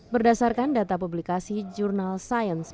berdasarkan data publikasi jurnal science